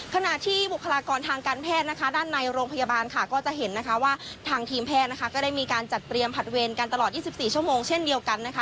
ขณะที่บุคลากรทางการแพทย์ด้านในโรงพยาบาลก็เห็นว่าทางทีมแพทย์มีการจัดเตรียมผัดเวียนกันตลอด๒๔ชั่วโมงเช่นเดียวกัน